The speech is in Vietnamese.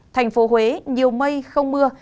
thành phố huế nhiều mây không mưa